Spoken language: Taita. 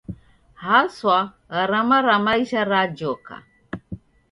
Haswa garama ra maisha rajoka.